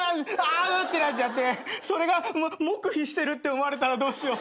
ってなっちゃってそれが黙秘してるって思われたらどうしよう。